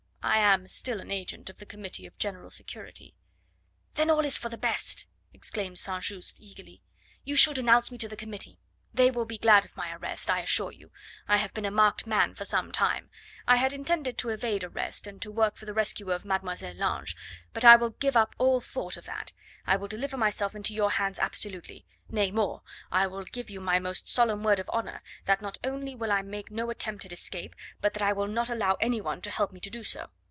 I am still an agent of the Committee of General Security." "Then all is for the best!" exclaimed St. Just eagerly. "You shall denounce me to the Committee. They will be glad of my arrest, I assure you. I have been a marked man for some time. I had intended to evade arrest and to work for the rescue of Mademoiselle Lange; but I will give up all thought of that I will deliver myself into your hands absolutely; nay, more, I will give you my most solemn word of honour that not only will I make no attempt at escape, but that I will not allow any one to help me to do so.